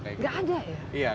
tidak ada ya